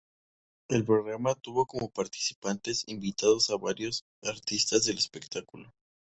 El programa tuvo como participantes invitados a varios artistas del espectáculo.